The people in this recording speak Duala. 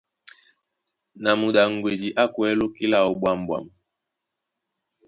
Na muɗaŋgwedi á kwɛ̌ lóki láō ɓwǎmɓwâm.